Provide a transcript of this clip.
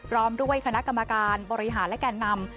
พร้อมด้วยคณะกรรมการบริหารและแก่นำ